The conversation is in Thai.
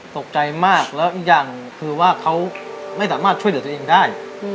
ตกใจมากแล้วอีกอย่างคือว่าเขาไม่สามารถช่วยเหลือตัวเองได้